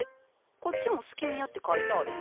こっちもスキミアって書いてある。